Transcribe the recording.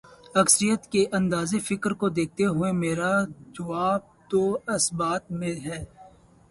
اکثریت کے انداز فکر کو دیکھتے ہوئے، میرا جواب تو اثبات میں ہے۔